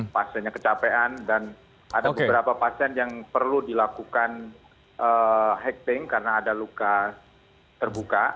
pasiennya kecapean dan ada beberapa pasien yang perlu dilakukan hekting karena ada luka terbuka